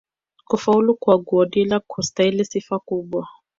kufaulu kwa guardiola kulistahili sifa kubwa